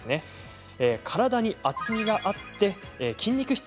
体に厚みがあって筋肉質。